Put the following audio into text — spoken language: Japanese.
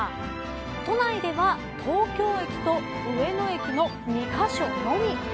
都内では東京駅と上野駅の２カ所のみ。